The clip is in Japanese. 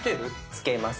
つけます！